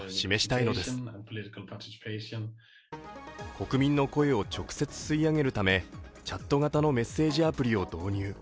国民の声を直接吸い上げるためチャット型のメッセージアプリを導入。